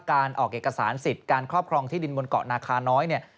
การออกเอกสารสิทธิ์การครอบครองที่ดินบนเกาะนาคาน้อยเนี่ย